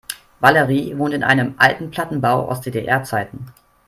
Valerie wohnt in einem alten Plattenbau aus DDR-Zeiten.